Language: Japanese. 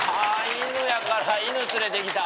犬やから犬連れてきた。